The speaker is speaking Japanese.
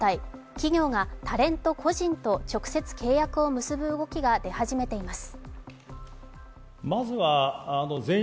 企業がタレント個人と直接契約を結ぶ動きが出始めています。